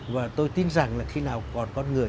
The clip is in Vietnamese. và tôi tin rằng là khi nào còn con người